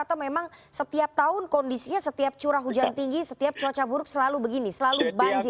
atau memang setiap tahun kondisinya setiap curah hujan tinggi setiap cuaca buruk selalu begini selalu banjir